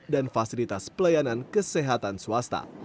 dan fasilitas pelayanan kesehatan swasta